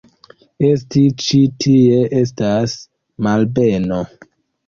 Esti ĉi tie estas malbeno.